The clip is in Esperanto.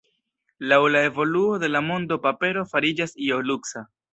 Laŭ la evoluo de la mondo papero fariĝas io luksa.